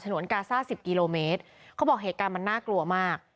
นวนกาซ่าสิบกิโลเมตรเขาบอกเหตุการณ์มันน่ากลัวมาก